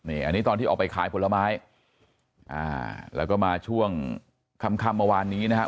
อันนี้ตอนที่ออกไปขายผลไม้อ่าแล้วก็มาช่วงค่ำค่ำเมื่อวานนี้นะครับ